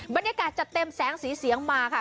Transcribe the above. บรรยากาศจัดเต็มแสงสีเสียงมาค่ะ